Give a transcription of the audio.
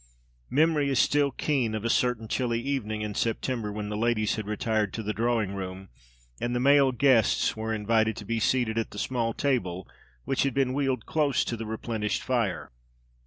Memory is still keen of a certain chilly evening in September, when the ladies had retired to the drawing room, and the male guests were invited to be seated at the small table which had been wheeled close to the replenished fire.